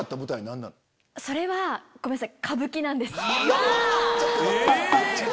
それはごめんなさい。